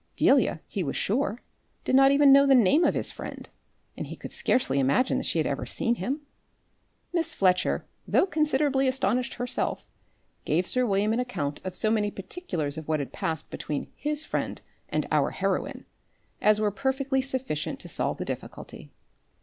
Delia, he was sure, did not even know the name of his friend, and he could scarcely imagine that she had ever seen him. Miss Fletcher, though considerably astonished herself, gave sir William an account of so many particulars of what had passed between his friend and our heroine, as were perfectly sufficient to solve the difficulty.